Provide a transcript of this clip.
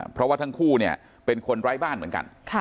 เพราะว่าทั้งคู่เนี่ยเป็นคนไร้บ้านเหมือนกัน